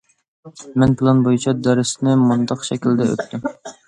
مەن پىلان بويىچە دەرسنى مۇنداق شەكىلدە ئۆتتۈم.